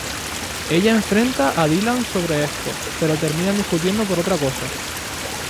Ella enfrenta a Dylan sobre esto, pero terminan discutiendo por otra cosa.